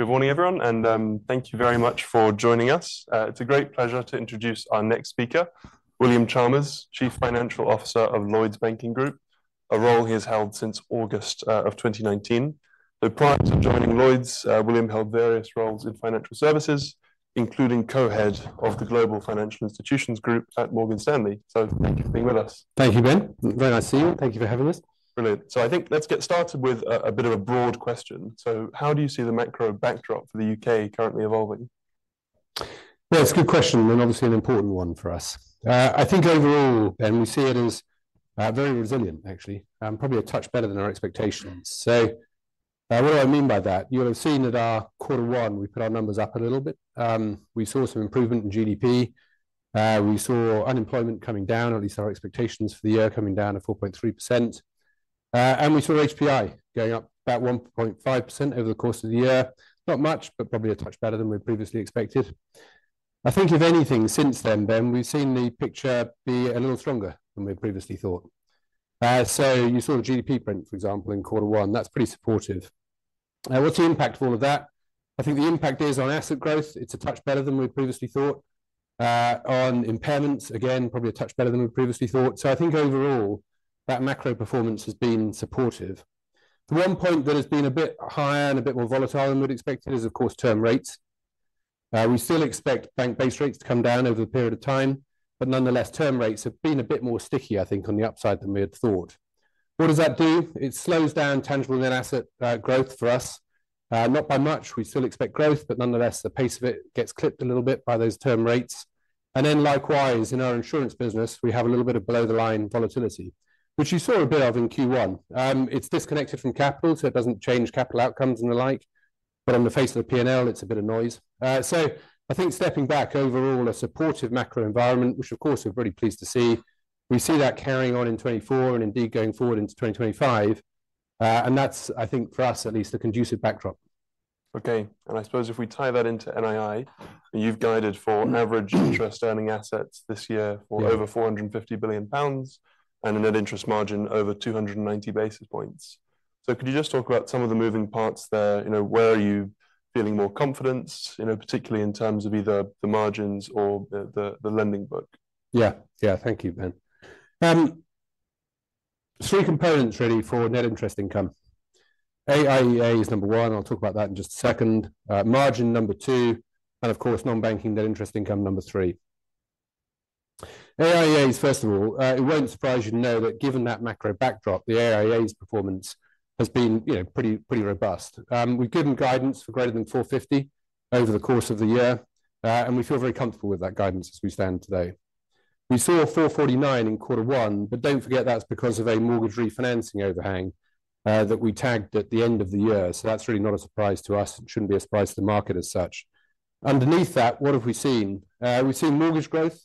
Good morning, everyone, and thank you very much for joining us. It's a great pleasure to introduce our next speaker, William Chalmers, Chief Financial Officer of Lloyds Banking Group, a role he has held since August of 2019. Though prior to joining Lloyds, William held various roles in financial services, including co-head of the Global Financial Institutions Group at Morgan Stanley. So thank you for being with us. Thank you, Ben. Very nice to see you. Thank you for having us. Brilliant. So I think let's get started with a, a bit of a broad question. So how do you see the macro backdrop for the U.K. currently evolving? Yeah, it's a good question, and obviously an important one for us. I think overall, Ben, we see it as very resilient, actually, probably a touch better than our expectations. So, what do I mean by that? You'll have seen at our quarter one, we put our numbers up a little bit. We saw some improvement in GDP. We saw unemployment coming down, or at least our expectations for the year coming down to 4.3%. And we saw HPI going up about 1.5% over the course of the year. Not much, but probably a touch better than we previously expected. I think if anything, since then, Ben, we've seen the picture be a little stronger than we previously thought. So you saw the GDP print, for example, in quarter one. That's pretty supportive. What's the impact of all of that? I think the impact is on asset growth. It's a touch better than we previously thought. On impairments, again, probably a touch better than we previously thought. So I think overall, that macro performance has been supportive. The one point that has been a bit higher and a bit more volatile than we'd expected is, of course, term rates. We still expect bank base rates to come down over a period of time, but nonetheless, term rates have been a bit more sticky, I think, on the upside than we had thought. What does that do? It slows down tangible net asset growth for us. Not by much. We still expect growth, but nonetheless, the pace of it gets clipped a little bit by those term rates. Then likewise, in our insurance business, we have a little bit of below-the-line volatility, which you saw a bit of in Q1. It's disconnected from capital, so it doesn't change capital outcomes and the like, but on the face of a P&L, it's a bit of noise. So I think stepping back overall, a supportive macro environment, which of course, we're pretty pleased to see. We see that carrying on in 2024 and indeed going forward into 2025, and that's, I think, for us at least, a conducive backdrop. Okay, and I suppose if we tie that into NII, you've guided for average interest earning assets this year for over 450 billion pounds and a net interest margin over 290 basis points. So could you just talk about some of the moving parts there? You know, where are you feeling more confidence, you know, particularly in terms of either the margins or the lending book? Yeah. Yeah, thank you, Ben. Three components, really, for net interest income. AIEA is number one, I'll talk about that in just a second. Margin, number two, and of course, non-banking net interest income, number three. AIEAs, first of all, it won't surprise you to know that given that macro backdrop, the AIEA's performance has been, you know, pretty, pretty robust. We've given guidance for greater than 450 billion over the course of the year, and we feel very comfortable with that guidance as we stand today. We saw 449 billion in quarter one, but don't forget that's because of a mortgage refinancing overhang, that we tagged at the end of the year. So that's really not a surprise to us. It shouldn't be a surprise to the market as such. Underneath that, what have we seen? We've seen mortgage growth,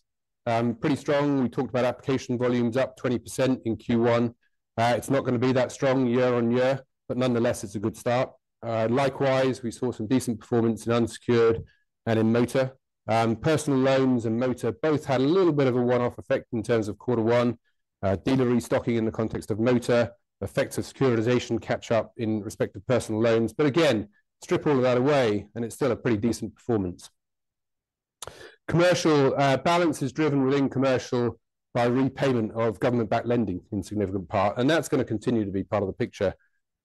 pretty strong. We talked about application volumes up 20% in Q1. It's not gonna be that strong year-on-year, but nonetheless, it's a good start. Likewise, we saw some decent performance in unsecured and in motor. Personal loans and motor both had a little bit of a one-off effect in terms of quarter one. Dealer restocking in the context of motor, effects of securitization catch up in respect to personal loans. But again, strip all of that away, and it's still a pretty decent performance. Commercial, balance is driven within commercial by repayment of government-backed lending in significant part, and that's gonna continue to be part of the picture,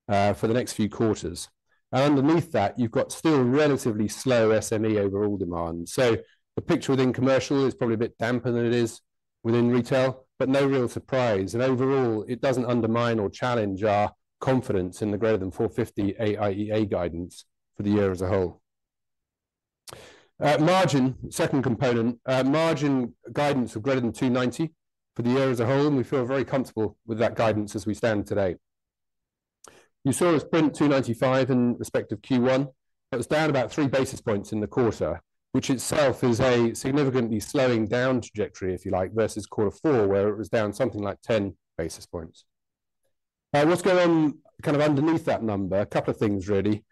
for the next few quarters. Underneath that, you've got still relatively slow SME overall demand. So the picture within commercial is probably a bit damper than it is within retail, but no real surprise. Overall, it doesn't undermine or challenge our confidence in the greater than 450 AIEA guidance for the year as a whole. Margin, second component. Margin guidance of greater than 290 for the year as a whole, and we feel very comfortable with that guidance as we stand today. You saw us print 295 in respect of Q1. That was down about three basis points in the quarter, which itself is a significantly slowing down trajectory, if you like, versus quarter four, where it was down something like 10 basis points. What's going on kind of underneath that number? A couple of things, really.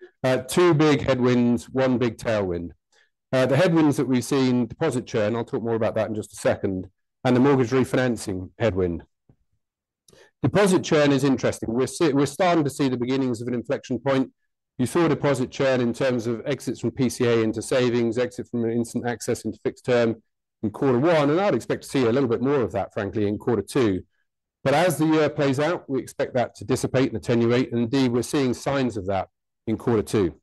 Two big headwinds, one big tailwind. The headwinds that we've seen, deposit churn, I'll talk more about that in just a second, and the mortgage refinancing headwind. Deposit churn is interesting. We're starting to see the beginnings of an inflection point. You saw a deposit churn in terms of exits from PCA into savings, exit from an instant access into fixed term in quarter one, and I'd expect to see a little bit more of that, frankly, in quarter two. But as the year plays out, we expect that to dissipate and attenuate, and indeed, we're seeing signs of that in quarter two.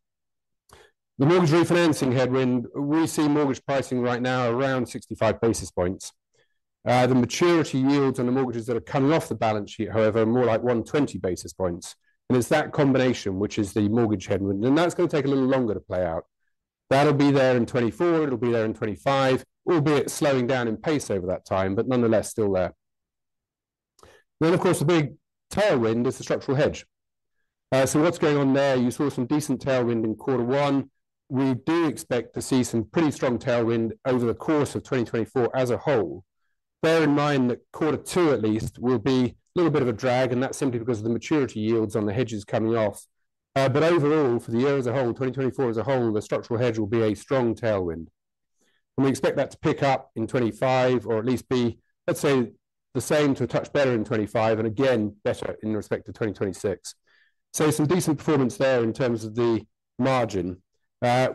The mortgage refinancing headwind, we're seeing mortgage pricing right now around 65 basis points. The maturity yields on the mortgages that are coming off the balance sheet, however, are more like 120 basis points, and it's that combination, which is the mortgage headwind, and that's gonna take a little longer to play out. That'll be there in 2024, it'll be there in 2025, albeit slowing down in pace over that time, but nonetheless, still there. Then, of course, the big tailwind is the structural hedge. So what's going on there? You saw some decent tailwind in quarter one. We do expect to see some pretty strong tailwind over the course of 2024 as a whole. Bear in mind that quarter two, at least, will be a little bit of a drag, and that's simply because of the maturity yields on the hedges coming off. But overall, for the year as a whole, 2024 as a whole, the structural hedge will be a strong tailwind, and we expect that to pick up in 2025, or at least be, let's say, the same to a touch better in 2025, and again, better in respect to 2026. So some decent performance there in terms of the margin,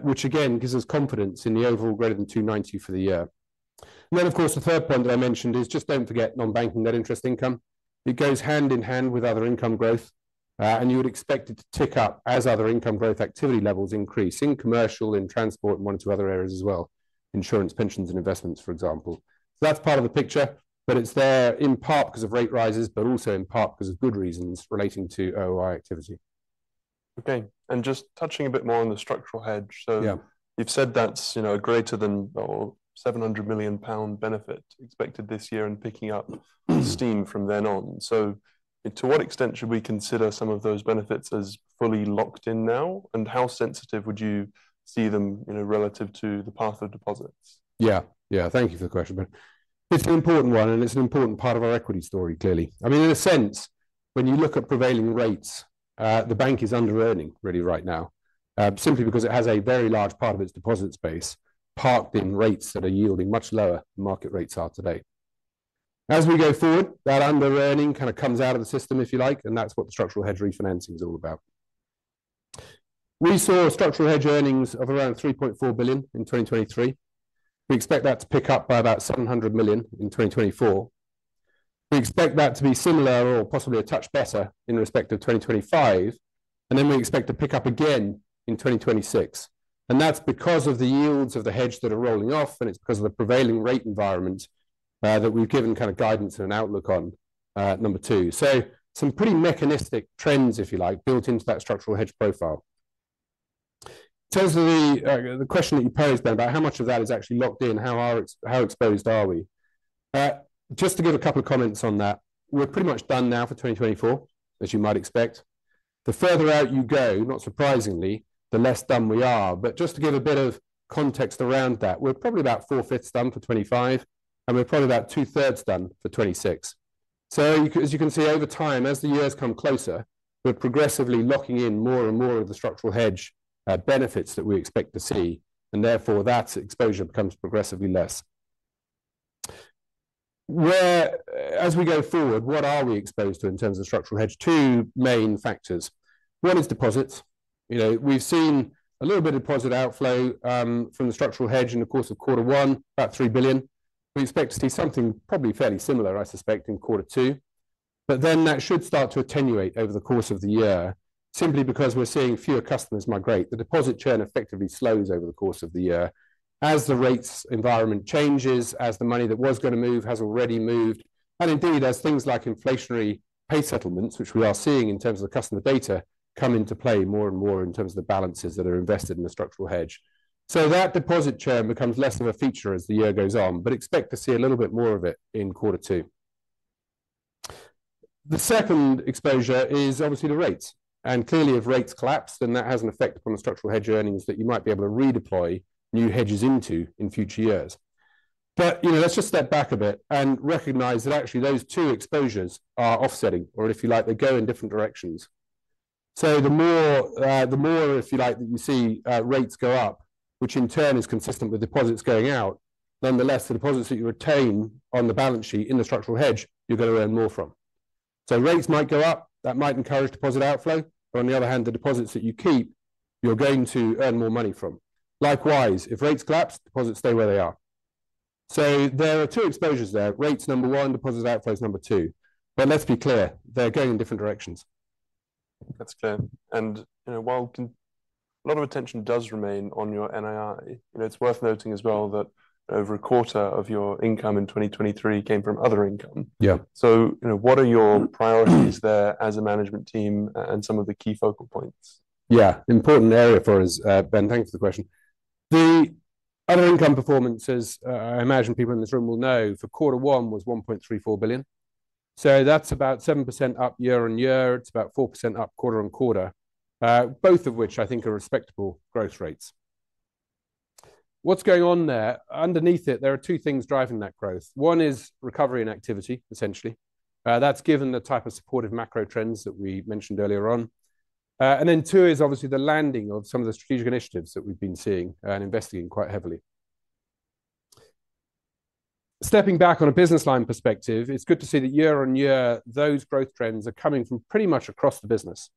which again, gives us confidence in the overall greater than 290 for the year. Then, of course, the third point that I mentioned is just don't forget non-bank net interest income. It goes hand in hand with other income growth, and you would expect it to tick up as other income growth activity levels increase in commercial, in transport, and one or two other areas as well, insurance, pensions, and investments, for example. So that's part of the picture, but it's there in part 'cause of rate rises, but also in part 'cause of good reasons relating to OI activity. Okay, and just touching a bit more on the structural hedge. Yeah. So you've said that's, you know, a greater than, or 700 million pound benefit expected this year and picking up steam from then on. So to what extent should we consider some of those benefits as fully locked in now? And how sensitive would you see them, you know, relative to the path of deposits? Yeah. Yeah, thank you for the question, Ben. It's an important one, and it's an important part of our equity story, clearly. I mean, in a sense, when you look at prevailing rates, the bank is under earning really right now, simply because it has a very large part of its deposit space parked in rates that are yielding much lower market rates are today. As we go forward, that under earning kinda comes out of the system, if you like, and that's what the structural hedge refinancing is all about. We saw structural hedge earnings of around 3.4 billion in 2023. We expect that to pick up by about 700 million in 2024. We expect that to be similar or possibly a touch better in respect to 2025, and then we expect to pick up again in 2026, and that's because of the yields of the hedge that are rolling off, and it's 'cause of the prevailing rate environment, that we've given kinda guidance and an outlook on, number two. So some pretty mechanistic trends, if you like, built into that structural hedge profile. In terms of the question that you posed then about how much of that is actually locked in, how exposed are we? Just to give a couple of comments on that, we're pretty much done now for 2024, as you might expect. The further out you go, not surprisingly, the less done we are. But just to give a bit of context around that, we're probably about four-fifths done for 2025, and we're probably about two-thirds done for 2026. So as you can see, over time, as the years come closer, we're progressively locking in more and more of the structural hedge benefits that we expect to see, and therefore, that exposure becomes progressively less. As we go forward, what are we exposed to in terms of structural hedge? Two main factors. One is deposits. You know, we've seen a little bit of deposit outflow from the structural hedge in the course of quarter one, about 3 billion. We expect to see something probably fairly similar, I suspect, in quarter two, but then that should start to attenuate over the course of the year, simply because we're seeing fewer customers migrate. The deposit churn effectively slows over the course of the year as the rates environment changes, as the money that was gonna move has already moved, and indeed, as things like inflationary pay settlements, which we are seeing in terms of the customer data, come into play more and more in terms of the balances that are invested in the structural hedge. So that deposit churn becomes less of a feature as the year goes on, but expect to see a little bit more of it in quarter two. The second exposure is obviously the rates, and clearly, if rates collapse, then that has an effect upon the structural hedge earnings that you might be able to redeploy new hedges into in future years. But, you know, let's just step back a bit and recognize that actually, those two exposures are offsetting, or if you like, they go in different directions. So the more, the more, if you like, that you see, rates go up, which in turn is consistent with deposits going out, nonetheless, the deposits that you retain on the balance sheet in the structural hedge, you're gonna earn more from. So rates might go up, that might encourage deposit outflow, but on the other hand, the deposits that you keep, you're going to earn more money from. Likewise, if rates collapse, deposits stay where they are. So there are two exposures there: rates, number one, deposits outflows, number two. But let's be clear, they're going in different directions. That's clear. And, you know, while a lot of attention does remain on your NII, you know, it's worth noting as well that over a quarter of your income in 2023 came from other income. Yeah. So, you know, what are your priorities there as a management team, and some of the key focal points? Yeah, important area for us, Ben, thank you for the question. The other income performances, I imagine people in this room will know, for quarter one was 1.34 billion. So that's about 7% up year-on-year. It's about 4% up quarter-on-quarter, both of which I think are respectable growth rates. What's going on there? Underneath it, there are two things driving that growth. One is recovery and activity, essentially. That's given the type of supportive macro trends that we mentioned earlier on. And then two is obviously the landing of some of the strategic initiatives that we've been seeing and investing in quite heavily. Stepping back on a business line perspective, it's good to see that year-on-year, those growth trends are coming from pretty much across the business.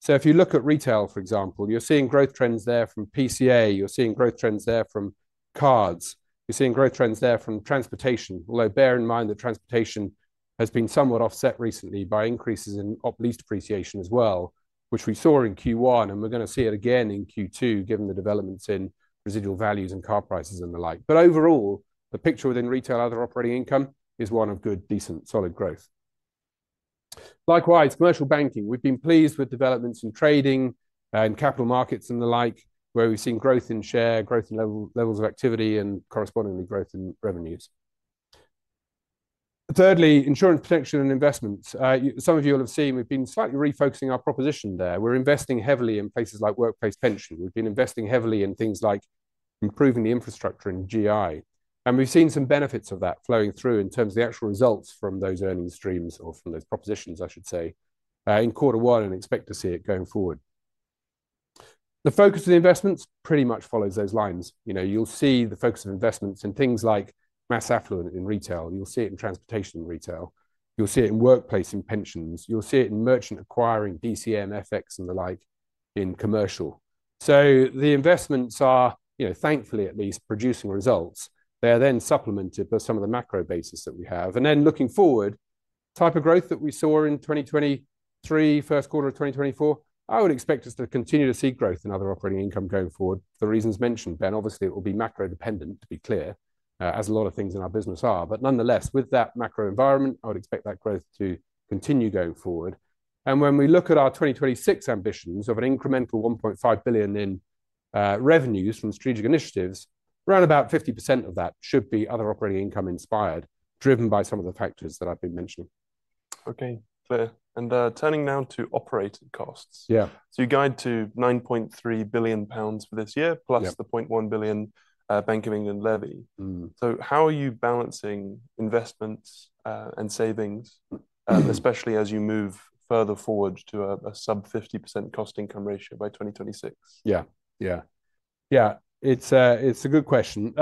So if you look at retail, for example, you're seeing growth trends there from PCA, you're seeing growth trends there from cards, you're seeing growth trends there from transportation. Although bear in mind that transportation has been somewhat offset recently by increases in op lease depreciation as well, which we saw in Q1, and we're gonna see it again in Q2, given the developments in residual values and car prices and the like. But overall, the picture within retail other operating income is one of good, decent, solid growth. Likewise, commercial banking, we've been pleased with developments in trading and capital markets and the like, where we've seen growth in share, growth in level, levels of activity, and correspondingly, growth in revenues. Thirdly, insurance protection and investments. Some of you will have seen we've been slightly refocusing our proposition there. We're investing heavily in places like workplace pension. We've been investing heavily in things like improving the infrastructure in GI, and we've seen some benefits of that flowing through in terms of the actual results from those earning streams or from those propositions, I should say, in quarter one and expect to see it going forward. The focus of the investments pretty much follows those lines. You know, you'll see the focus of investments in things like mass affluent in retail, you'll see it in transportation retail, you'll see it in workplace, in pensions, you'll see it in merchant acquiring, DCM, FX, and the like, in commercial. So the investments are, you know, thankfully at least producing results. They are then supplemented by some of the macro basis that we have. Then looking forward, type of growth that we saw in 2023, first quarter of 2024, I would expect us to continue to see growth in other operating income going forward, for the reasons mentioned. Ben, obviously, it will be macro dependent, to be clear, as a lot of things in our business are, but nonetheless, with that macro environment, I would expect that growth to continue going forward. And when we look at our 2026 ambitions of an incremental 1.5 billion in revenues from strategic initiatives, round about 50% of that should be other operating income inspired, driven by some of the factors that I've been mentioning. Okay, clear. And turning now to operating costs. Yeah. So you guide to 9.3 billion pounds for this year plus 0.1 billion, Bank of England levy. How are you balancing investments and savings, especially as you move further forward to a sub-50% cost-income ratio by 2026? Yeah, yeah. Yeah, it's a good question.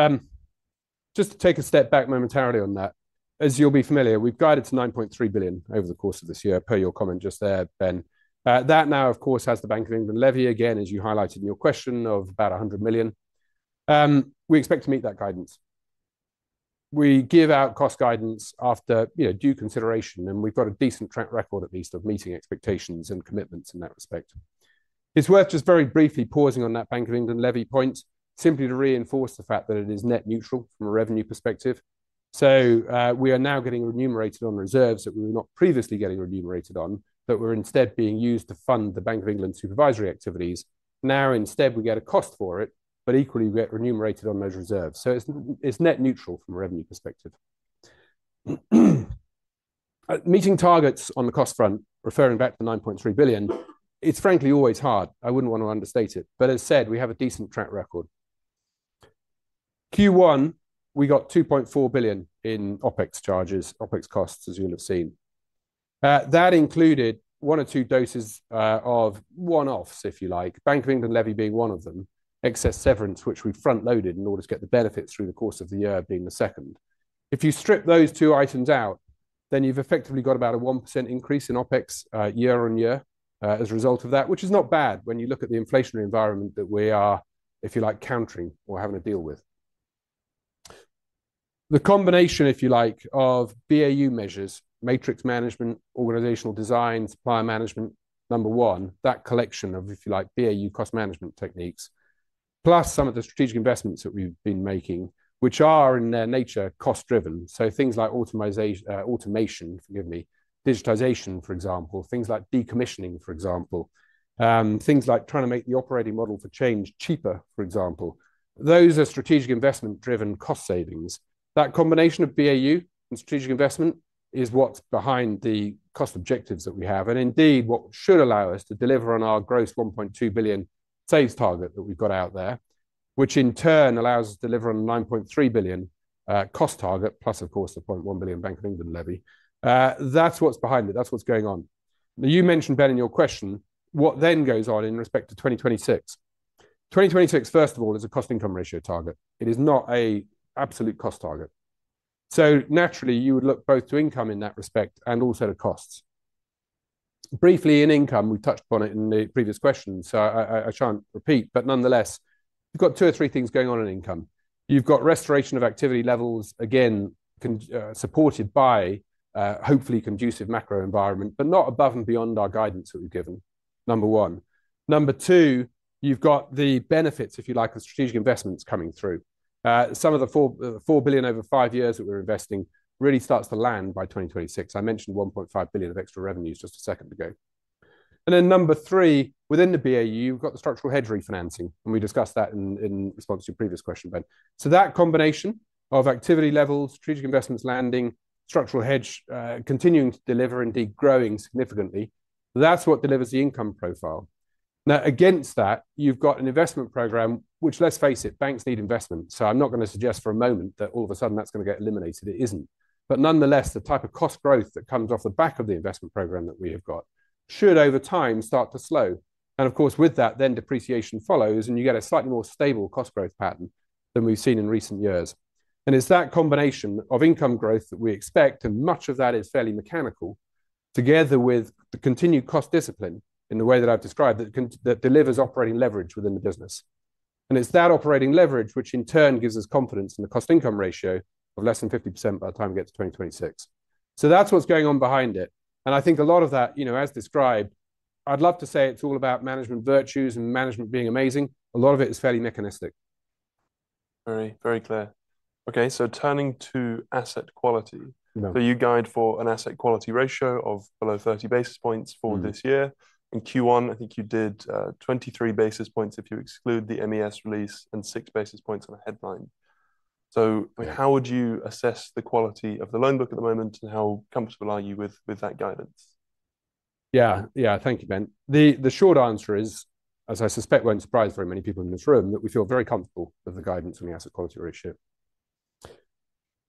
Just to take a step back momentarily on that, as you'll be familiar, we've guided to 9.3 billion over the course of this year, per your comment just there, Ben. That now, of course, has the Bank of England levy, again, as you highlighted in your question, of about 100 million. We expect to meet that guidance. We give out cost guidance after, you know, due consideration, and we've got a decent track record, at least, of meeting expectations and commitments in that respect. It's worth just very briefly pausing on that Bank of England levy point, simply to reinforce the fact that it is net neutral from a revenue perspective. So, we are now getting remunerated on reserves that we were not previously getting remunerated on, but were instead being used to fund the Bank of England supervisory activities. Now, instead, we get a cost for it, but equally, we get remunerated on those reserves. So it's, it's net neutral from a revenue perspective. Meeting targets on the cost front, referring back to the 9.3 billion, it's frankly always hard. I wouldn't want to understate it, but as said, we have a decent track record. Q1, we got 2.4 billion in OpEx charges, OpEx costs, as you'll have seen. That included one or two doses, of one-offs, if you like. Bank of England levy being one of them, excess severance, which we front-loaded in order to get the benefits through the course of the year, being the second. If you strip those two items out, then you've effectively got about a 1% increase in OpEx year on year as a result of that, which is not bad when you look at the inflationary environment that we are, if you like, countering or having to deal with. The combination, if you like, of BAU measures, matrix management, organizational design, supplier management, number one, that collection of, if you like, BAU cost management techniques, plus some of the strategic investments that we've been making, which are, in their nature, cost driven, so things like automation, forgive me, digitization, for example, things like decommissioning, for example, things like trying to make the operating model for change cheaper, for example. Those are strategic investment-driven cost savings. That combination of BAU and strategic investment is what's behind the cost objectives that we have, and indeed, what should allow us to deliver on our gross 1.2 billion saves target that we've got out there, which in turn allows us to deliver on 9.3 billion cost target, plus, of course, the 0.1 billion Bank of England levy. That's what's behind it, that's what's going on. Now, you mentioned, Ben, in your question, what then goes on in respect to 2026. 2026, first of all, is a cost-income ratio target. It is not a absolute cost target. So naturally, you would look both to income in that respect and also the costs. Briefly, in income, we touched upon it in the previous question, so I, shan't repeat, but nonetheless, you've got two or three things going on in income. You've got restoration of activity levels, again, supported by a hopefully conducive macro environment, but not above and beyond our guidance that we've given, number one. Number two, you've got the benefits, if you like, of strategic investments coming through. Some of the four, the 4 billion over five years that we're investing really starts to land by 2026. I mentioned 1.5 billion of extra revenues just a second ago. And then number three, within the BAU, you've got the structural hedge refinancing, and we discussed that in response to your previous question, Ben. So that combination of activity levels, strategic investments landing, structural hedge, continuing to deliver, indeed growing significantly, that's what delivers the income profile. Now, against that, you've got an investment program, which, let's face it, banks need investment. So I'm not gonna suggest for a moment that all of a sudden that's gonna get eliminated. It isn't. But nonetheless, the type of cost growth that comes off the back of the investment program that we have got should, over time, start to slow, and of course, with that, then depreciation follows, and you get a slightly more stable cost growth pattern than we've seen in recent years. And it's that combination of income growth that we expect, and much of that is fairly mechanical, together with the continued cost discipline in the way that I've described, that that delivers operating leverage within the business. And it's that operating leverage, which in turn gives us confidence in the cost-income ratio of less than 50% by the time we get to 2026. So that's what's going on behind it, and I think a lot of that, you know, as described, I'd love to say it's all about management virtues and management being amazing. A lot of it is fairly mechanistic. Very, very clear. Okay, so turning to asset quality. So you guide for an asset quality ratio of below 30 basis points for this year. In Q1, I think you did 23 basis points if you exclude the MES release, and six basis points on a headline. Yeah. How would you assess the quality of the loan book at the moment, and how comfortable are you with that guidance? Yeah, yeah. Thank you, Ben. The short answer is, as I suspect won't surprise very many people in this room, that we feel very comfortable with the guidance on the asset quality ratio,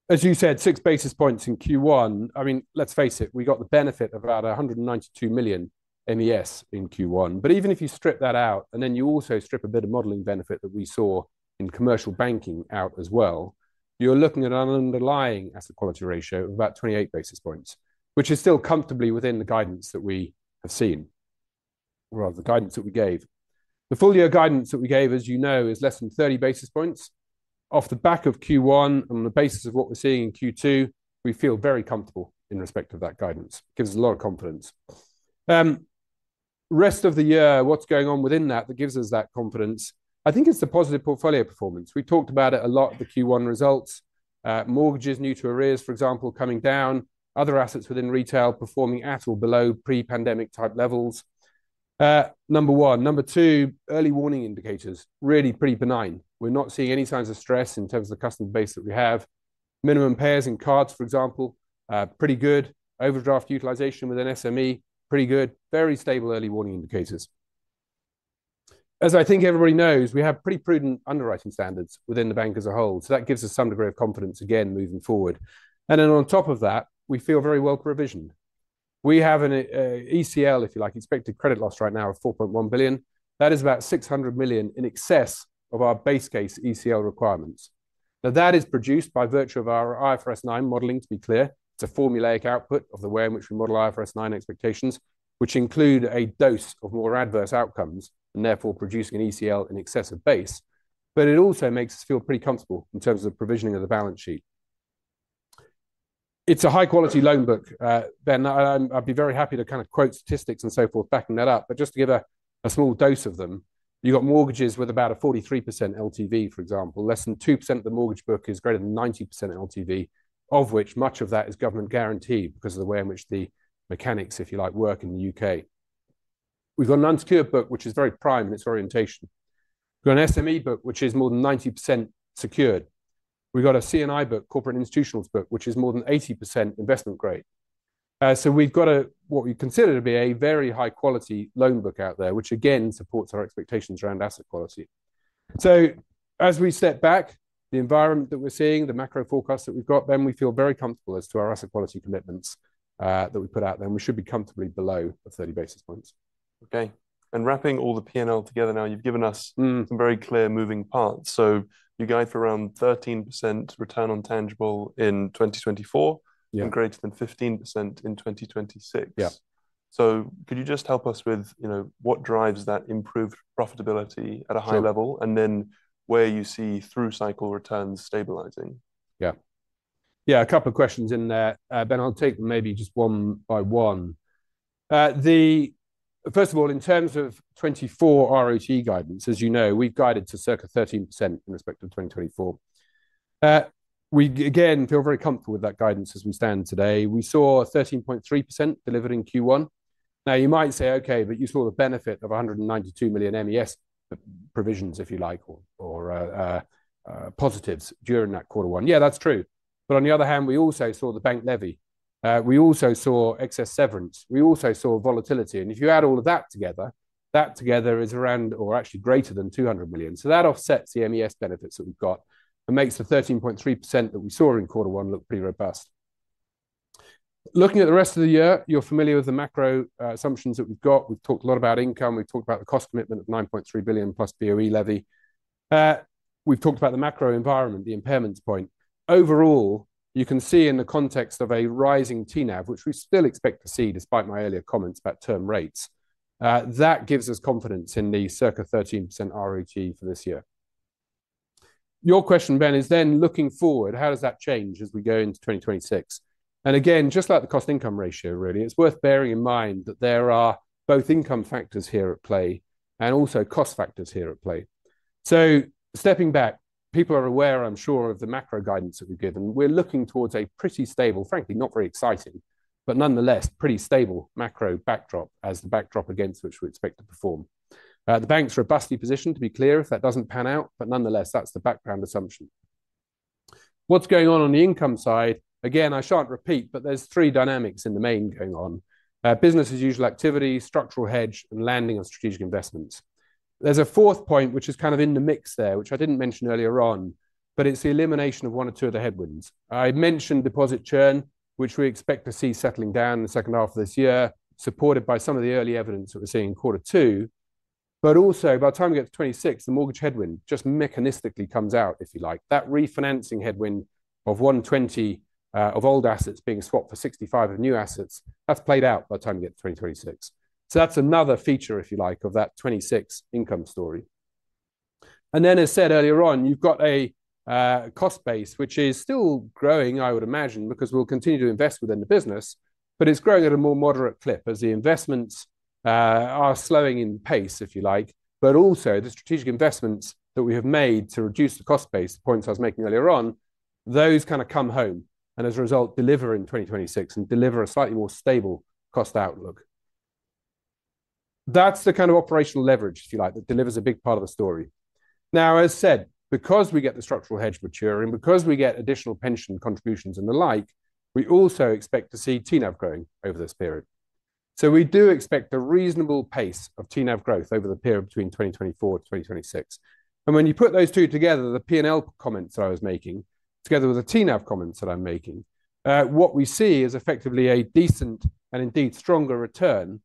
as you said, 6 basis points in Q1. I mean, let's face it, we got the benefit of about 192 million MES in Q1. But even if you strip that out, and then you also strip a bit of modeling benefit that we saw in commercial banking out as well, you're looking at an underlying asset quality ratio of about 28 basis points, which is still comfortably within the guidance that we have seen, or rather, the guidance that we gave. The full year guidance that we gave, as you know, is less than 30 basis points. Off the back of Q1, on the basis of what we're seeing in Q2, we feel very comfortable in respect of that guidance. Gives us a lot of confidence. Rest of the year, what's going on within that, that gives us that confidence? I think it's the positive portfolio performance. We talked about it a lot, the Q1 results, mortgages new to arrears, for example, coming down, other assets within retail performing at or below pre-pandemic type levels, number one. Number two, early warning indicators, really pretty benign. We're not seeing any signs of stress in terms of the customer base that we have. Minimum payers in cards, for example, pretty good. Overdraft utilization within SME, pretty good. Very stable early warning indicators. As I think everybody knows, we have pretty prudent underwriting standards within the bank as a whole, so that gives us some degree of confidence, again, moving forward. And then on top of that, we feel very well provisioned. We have an ECL, if you like, expected credit loss right now of 4.1 billion. That is about 600 million in excess of our base case ECL requirements. Now, that is produced by virtue of our IFRS 9 modeling, to be clear. It's a formulaic output of the way in which we model IFRS 9 expectations, which include a dose of more adverse outcomes, and therefore, producing an ECL in excess of base. But it also makes us feel pretty comfortable in terms of provisioning of the balance sheet. It's a high-quality loan book, Ben, and I, I'd be very happy to kind of quote statistics and so forth, backing that up, but just to give a, a small dose of them, you got mortgages with about a 43% LTV, for example. Less than 2% of the mortgage book is greater than 90% LTV, of which much of that is government guaranteed because of the way in which the mechanics, if you like, work in the U.K. We've got an unsecured book, which is very prime in its orientation. We've got an SME book, which is more than 90% secured. We've got a C&I book, corporate institutionals book, which is more than 80% investment grade. So we've got a, what we consider to be a very high-quality loan book out there, which again, supports our expectations around asset quality. So as we step back, the environment that we're seeing, the macro forecast that we've got, then we feel very comfortable as to our asset quality commitments that we put out there, and we should be comfortably below the 30 basis points. Okay, and wrapping all the P&L together now, you've given us some very clear moving parts. So you guide for around 13% return on tangible in 2024 and greater than 15% in 2026. Yeah. Could you just help us with, you know, what drives that improved profitability at a high level? Sure. And then where you see through cycle returns stabilizing? Yeah. Yeah, a couple of questions in there, Ben, I'll take maybe just one by one. First of all, in terms of 2024 RoTE guidance, as you know, we've guided to circa 13% in respect of 2024. We again, feel very comfortable with that guidance as we stand today. We saw 13.3% delivered in Q1. Now, you might say, "Okay, but you saw the benefit of 192 million MES provisions, if you like, or positives during that quarter one." Yeah, that's true, but on the other hand, we also saw the bank levy. We also saw excess severance, we also saw volatility, and if you add all of that together, that together is around or actually greater than 200 million. So that offsets the MES benefits that we've got and makes the 13.3% that we saw in quarter one look pretty robust. Looking at the rest of the year, you're familiar with the macro, assumptions that we've got. We've talked a lot about income, we've talked about the cost commitment of 9.3 billion plus BoE levy. We've talked about the macro environment, the impairments point. Overall, you can see in the context of a rising TNAV, which we still expect to see, despite my earlier comments about term rates, that gives us confidence in the circa 13% RoTE for this year. Your question, Ben, is then looking forward, how does that change as we go into 2026? Again, just like the cost-income ratio, really, it's worth bearing in mind that there are both income factors here at play and also cost factors here at play. Stepping back, people are aware, I'm sure, of the macro guidance that we've given. We're looking towards a pretty stable, frankly, not very exciting, but nonetheless, pretty stable macro backdrop as the backdrop against which we expect to perform. The bank's robustly positioned to be clear, if that doesn't pan out, but nonetheless, that's the background assumption. What's going on the income side, again, I shan't repeat, but there's three dynamics in the main going on: business as usual activity, structural hedge, and landing on strategic investments. There's a fourth point, which is kind of in the mix there, which I didn't mention earlier on, but it's the elimination of one or two of the headwinds. I mentioned deposit churn, which we expect to see settling down in the second half of this year, supported by some of the early evidence that we're seeing in quarter two, but also, by the time we get to 2026, the mortgage headwind just mechanistically comes out, if you like. That refinancing headwind of 120 of old assets being swapped for 65 of new assets, that's played out by the time we get to 2036. So that's another feature, if you like, of that 2026 income story. As said earlier on, you've got a cost base, which is still growing, I would imagine, because we'll continue to invest within the business, but it's growing at a more moderate clip as the investments are slowing in pace, if you like, but also the strategic investments that we have made to reduce the cost base, the points I was making earlier on, those kind of come home, and as a result, deliver in 2026 and deliver a slightly more stable cost outlook. That's the kind of operational leverage, if you like, that delivers a big part of the story. Now, as said, because we get the structural hedge maturing, because we get additional pension contributions and the like, we also expect to see TNAV growing over this period. So we do expect a reasonable pace of TNAV growth over the period between 2024 to 2026. And when you put those two together, the PNL comments that I was making, together with the TNAV comments that I'm making, what we see is effectively a decent and indeed stronger return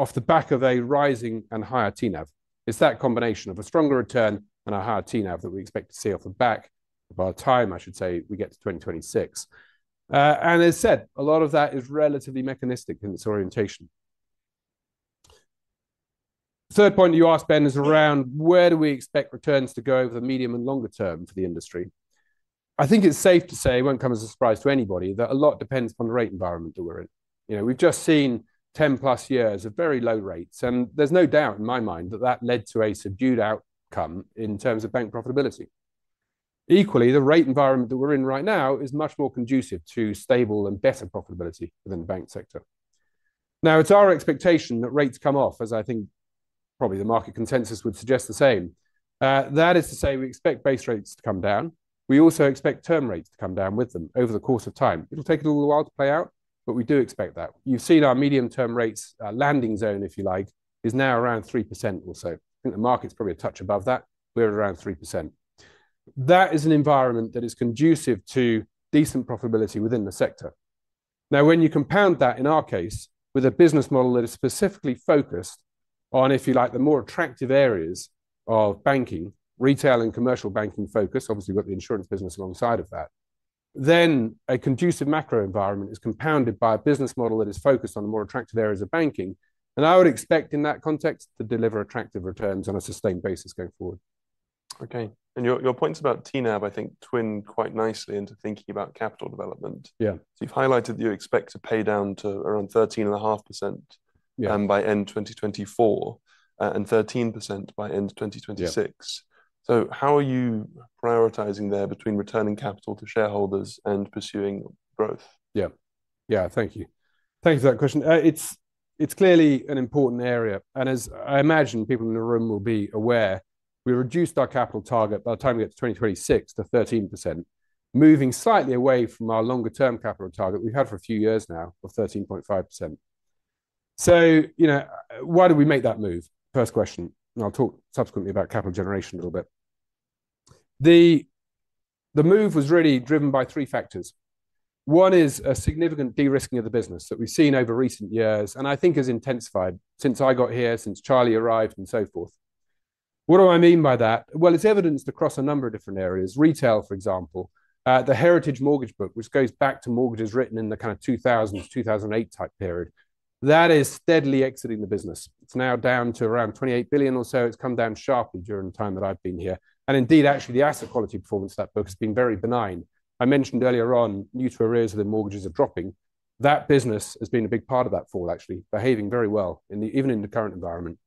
off the back of a rising and higher TNAV. It's that combination of a stronger return and a higher TNAV that we expect to see off the back by the time, I should say, we get to 2026. And as said, a lot of that is relatively mechanistic in its orientation. Third point you asked, Ben, is around where do we expect returns to go over the medium and longer term for the industry? I think it's safe to say, it won't come as a surprise to anybody, that a lot depends upon the rate environment that we're in. You know, we've just seen 10+ years of very low rates, and there's no doubt in my mind that that led to a subdued outcome in terms of bank profitability. Equally, the rate environment that we're in right now is much more conducive to stable and better profitability within the bank sector. Now, it's our expectation that rates come off, as I think probably the market consensus would suggest the same. That is to say, we expect base rates to come down. We also expect term rates to come down with them over the course of time. It'll take a little while to play out, but we do expect that. You've seen our medium-term rates, landing zone, if you like, is now around 3% or so. I think the market's probably a touch above that, we're around 3%. That is an environment that is conducive to decent profitability within the sector. Now, when you compound that, in our case, with a business model that is specifically focused on, if you like, the more attractive areas of banking, retail and commercial banking focus, obviously, we've got the insurance business alongside of that, then a conducive macro environment is compounded by a business model that is focused on the more attractive areas of banking, and I would expect, in that context, to deliver attractive returns on a sustained basis going forward. Okay, and your, your points about TNAV, I think, tie in quite nicely into thinking about capital development. Yeah. So you've highlighted that you expect to pay down to around 13.5% by end 2024, and 13% by end 2026. Yeah. How are you prioritizing there between returning capital to shareholders and pursuing growth? Yeah. Yeah, thank you. Thank you for that question. It's clearly an important area, and as I imagine people in the room will be aware, we reduced our capital target by the time we get to 2026 to 13%, moving slightly away from our longer-term capital target we've had for a few years now of 13.5%. So, you know, why did we make that move? First question, and I'll talk subsequently about capital generation a little bit. The move was really driven by three factors. One is a significant de-risking of the business that we've seen over recent years, and I think has intensified since I got here, since Charlie arrived, and so forth. What do I mean by that? Well, it's evidenced across a number of different areas. Retail, for example, the Heritage Mortgage Book, which goes back to mortgages written in the kind of 2000s, 2008 type period, that is steadily exiting the business. It's now down to around 28 billion or so. It's come down sharply during the time that I've been here, and indeed, actually, the asset quality performance of that book has been very benign. I mentioned earlier on, new to arrears of the mortgages are dropping. That business has been a big part of that fall, actually, behaving very well in the, even in the current environment.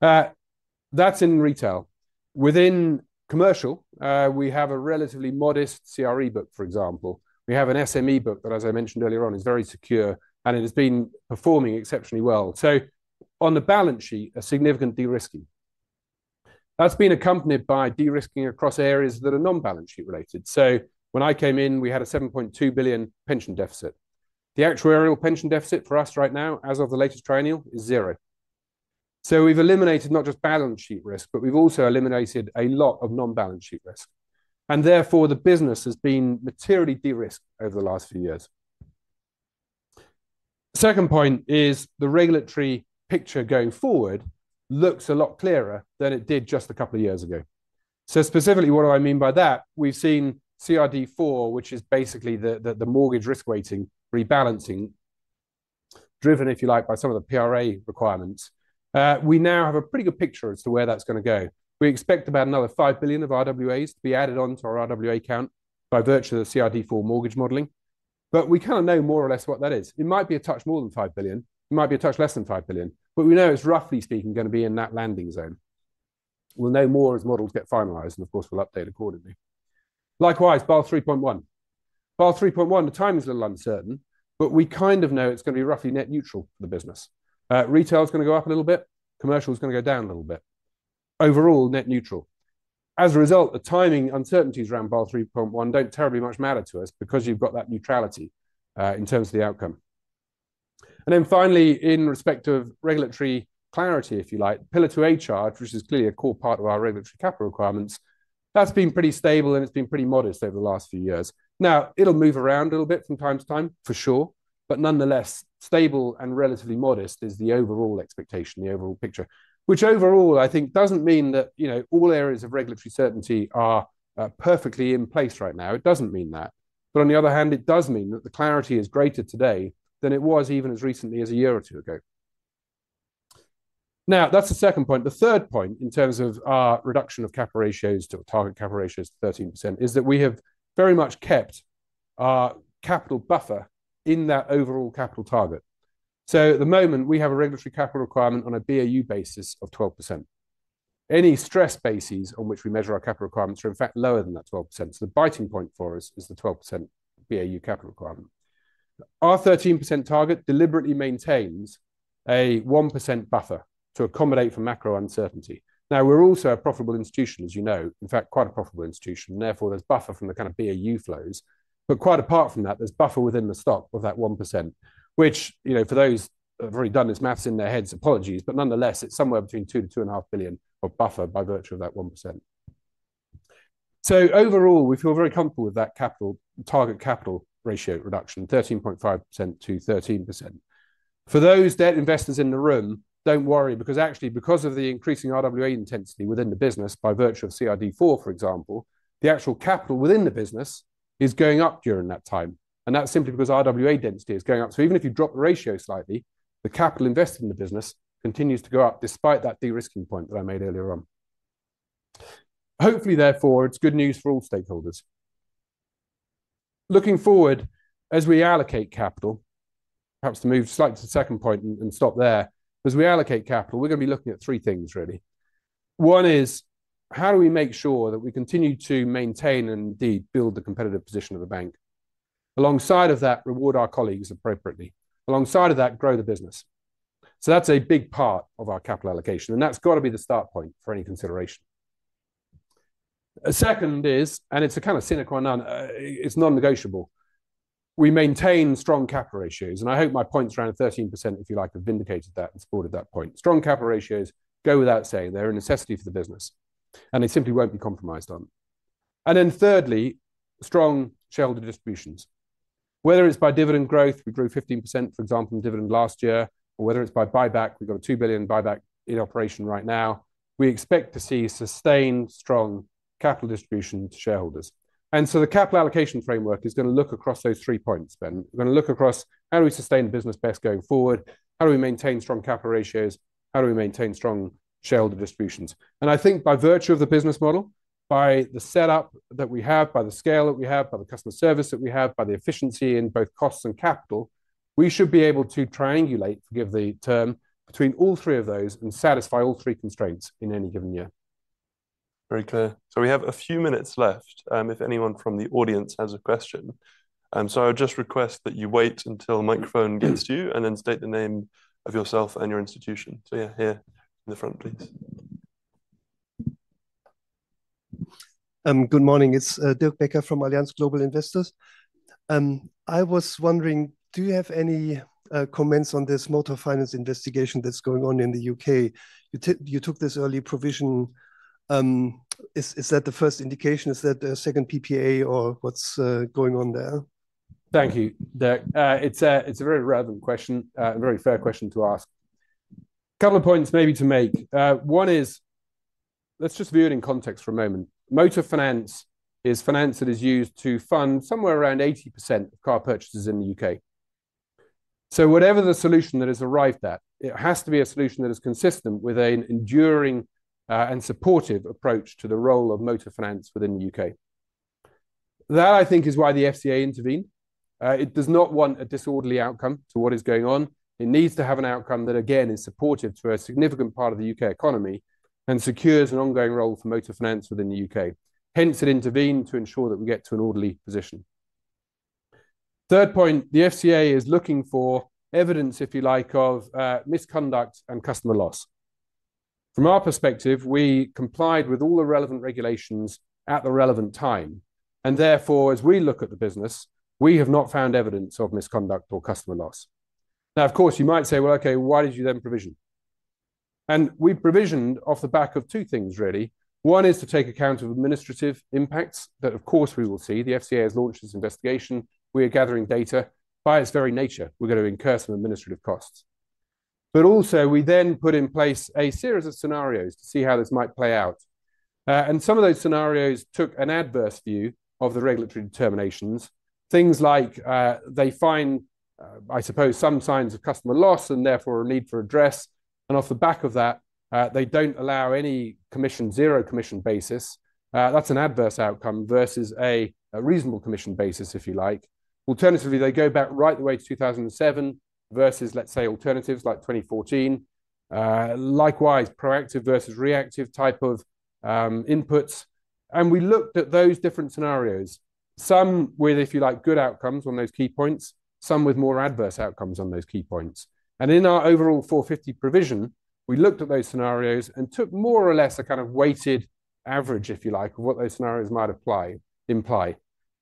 That's in retail. Within commercial, we have a relatively modest CRE book, for example. We have an SME book that, as I mentioned earlier on, is very secure, and it has been performing exceptionally well. So on the balance sheet, a significant de-risking. That's been accompanied by de-risking across areas that are non-balance sheet related. So when I came in, we had a 7.2 billion pension deficit. The actuarial pension deficit for us right now, as of the latest triennial, is zero. So we've eliminated not just balance sheet risk, but we've also eliminated a lot of non-balance sheet risk, and therefore, the business has been materially de-risked over the last few years. Second point is the regulatory picture going forward looks a lot clearer than it did just a couple of years ago. So specifically, what do I mean by that? We've seen CRD IV, which is basically the mortgage risk weighting rebalancing, driven, if you like, by some of the PRA requirements. We now have a pretty good picture as to where that's gonna go. We expect about another 5 billion RWAs to be added on to our RWA count by virtue of the CRD IV mortgage modeling, but we kind of know more or less what that is. It might be a touch more than 5 billion, it might be a touch less than 5 billion, but we know it's, roughly speaking, gonna be in that landing zone. We'll know more as models get finalized, and of course, we'll update accordingly. Likewise, Basel 3.1. Basel 3.1, the timing's a little uncertain, but we kind of know it's gonna be roughly net neutral for the business. Retail's gonna go up a little bit, commercial's gonna go down a little bit. Overall, net neutral. As a result, the timing uncertainties around Basel 3.1 don't terribly much matter to us because you've got that neutrality in terms of the outcome. And then finally, in respect of regulatory clarity, if you like, Pillar 2A charge, which is clearly a core part of our regulatory capital requirements, that's been pretty stable, and it's been pretty modest over the last few years. Now, it'll move around a little bit from time to time, for sure, but nonetheless, stable and relatively modest is the overall expectation, the overall picture, which overall, I think doesn't mean that, you know, all areas of regulatory certainty are perfectly in place right now. It doesn't mean that, but on the other hand, it does mean that the clarity is greater today than it was even as recently as a year or two ago. Now, that's the second point. The third point, in terms of our reduction of capital ratios to target capital ratios to 13%, is that we have very much kept our capital buffer in that overall capital target. So at the moment, we have a regulatory capital requirement on a BAU basis of 12%. Any stress bases on which we measure our capital requirements are, in fact, lower than that 12%, so the biting point for us is the 12% BAU capital requirement. Our 13% target deliberately maintains a 1% buffer to accommodate for macro uncertainty. Now, we're also a profitable institution, as you know. In fact, quite a profitable institution, therefore, there's buffer from the kind of BAU flows. But quite apart from that, there's buffer within the stock of that 1%, which, you know, for those who have already done this math in their heads, apologies, but nonetheless, it's somewhere between 2 billion-2.5 billion of buffer by virtue of that 1%. So overall, we feel very comfortable with that capital, target capital ratio reduction, 13.5%-13%. For those debt investors in the room, don't worry, because actually, because of the increasing RWA intensity within the business by virtue of CRD IV, for example, the actual capital within the business is going up during that time, and that's simply because RWA density is going up. So even if you drop the ratio slightly, the capital invested in the business continues to go up despite that de-risking point that I made earlier on. Hopefully, therefore, it's good news for all stakeholders. Looking forward, as we allocate capital, perhaps to move slightly to the second point and stop there, as we allocate capital, we're gonna be looking at three things, really. One is, how do we make sure that we continue to maintain and indeed build the competitive position of the bank? Alongside of that, reward our colleagues appropriately, alongside of that, grow the business. So that's a big part of our capital allocation, and that's got to be the start point for any consideration. A second is, and it's a kind of sine qua non, it's non-negotiable. We maintain strong capital ratios, and I hope my points around 13%, if you like, have vindicated that and supported that point. Strong capital ratios go without saying. They're a necessity for the business, and they simply won't be compromised on. And then thirdly, strong shareholder distributions. Whether it's by dividend growth, we grew 15%, for example, in dividend last year, or whether it's by buyback, we've got a 2 billion buyback in operation right now. We expect to see sustained, strong capital distribution to shareholders. And so the capital allocation framework is gonna look across those three points then. We're gonna look across how do we sustain the business best going forward? How do we maintain strong capital ratios? How do we maintain strong shareholder distributions? And I think by virtue of the business model, by the setup that we have, by the scale that we have, by the customer service that we have, by the efficiency in both costs and capital, we should be able to triangulate, forgive the term, between all three of those and satisfy all three constraints in any given year. Very clear. So we have a few minutes left, if anyone from the audience has a question. So I would just request that you wait until the microphone gets to you, and then state the name of yourself and your institution. So yeah, here in the front, please. Good morning. It's Dirk Becker from Allianz Global Investors. I was wondering, do you have any comments on this motor finance investigation that's going on in the U.K.? You took this early provision. Is that the first indication, is that the second PPA or what's going on there? Thank you, Dirk. It's a, it's a very relevant question, a very fair question to ask. A couple of points maybe to make. One is, let's just view it in context for a moment. Motor finance is finance that is used to fund somewhere around 80% of car purchases in the U.K. So whatever the solution that is arrived at, it has to be a solution that is consistent with an enduring, and supportive approach to the role of motor finance within the U.K. That, I think, is why the FCA intervened. It does not want a disorderly outcome to what is going on. It needs to have an outcome that, again, is supportive to a significant part of the U.K. economy and secures an ongoing role for motor finance within the U.K., hence it intervened to ensure that we get to an orderly position. Third point, the FCA is looking for evidence, if you like, of, misconduct and customer loss. From our perspective, we complied with all the relevant regulations at the relevant time, and therefore, as we look at the business, we have not found evidence of misconduct or customer loss. Now, of course, you might say, "Well, okay, why did you then provision?" And we provisioned off the back of two things, really. One is to take account of administrative impacts that, of course, we will see. The FCA has launched this investigation. We are gathering data. By its very nature, we're going to incur some administrative costs. But also, we then put in place a series of scenarios to see how this might play out. And some of those scenarios took an adverse view of the regulatory determinations. Things like, they find, I suppose, some signs of customer loss and therefore a need for redress, and off the back of that, they don't allow any commission, zero commission basis. That's an adverse outcome versus a reasonable commission basis, if you like. Alternatively, they go back right the way to 2007 versus, let's say, alternatives like 2014. Likewise, proactive versus reactive type of inputs. And we looked at those different scenarios, some with, if you like, good outcomes on those key points, some with more adverse outcomes on those key points. In our overall 450 provision, we looked at those scenarios and took more or less a kind of weighted average, if you like, of what those scenarios might apply, imply.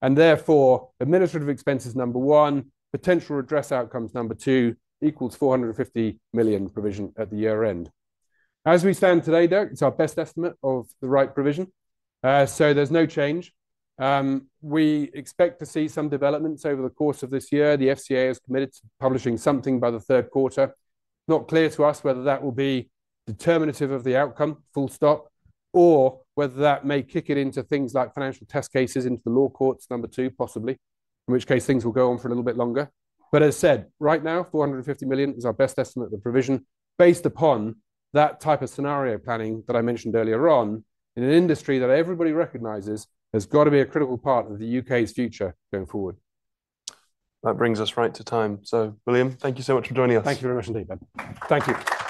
Therefore, administrative expenses, number one, potential redress outcomes, number two, equals 450 million provision at the year-end. As we stand today, Dirk, it's our best estimate of the right provision, so there's no change. We expect to see some developments over the course of this year. The FCA is committed to publishing something by the third quarter. Not clear to us whether that will be determinative of the outcome, full stop, or whether that may kick it into things like financial test cases into the law courts, number two, possibly, in which case things will go on for a little bit longer. As I said, right now, 450 million is our best estimate of the provision, based upon that type of scenario planning that I mentioned earlier on, in an industry that everybody recognizes has got to be a critical part of the U.K.'s future going forward. That brings us right to time. So, William, thank you so much for joining us. Thank you very much indeed. Thank you.